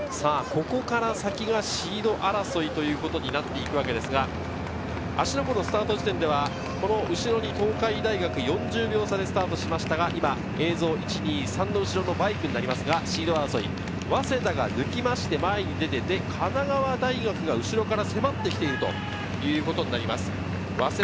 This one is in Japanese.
ここから先がシード争いということになっていくわけですが、芦ノ湖のスタート時点では後ろに東海大学、４０秒差でスタートしましたが、今映像１、２、３の後ろのバイクになりますがシード争い、早稲田が抜きまして前に出て、神奈川大学が後ろから迫ってきているということになります。